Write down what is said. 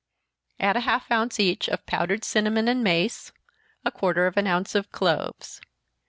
Add half an ounce each of powdered cinnamon and mace, a quarter of an ounce of cloves.